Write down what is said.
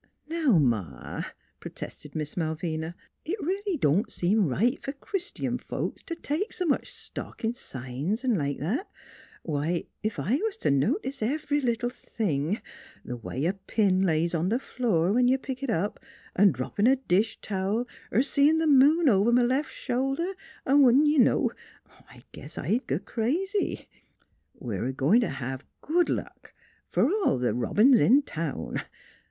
" Now, Ma," protested Miss Malvina, " it really don't seem right f'r Christian folks t' take s' much stock in signs 'n' like that. Why, ef I was t' notice ev'ry little thing th' way a pin lays on th' floor, when you pick it up; 'n' droppin' a dish towel, er seein' th' moon over m' lef shoulder, 'n' you know I guess I'd go crazy. We're a goin' t' hev good luck f'r all th' robins in town.